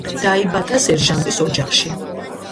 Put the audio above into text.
დაიბადა სერჟანტის ოჯახში.